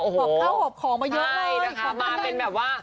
โอ้โหบอกเข้าหอบของมาเยอะไปใช่นะคะมาเป็นแบบว่า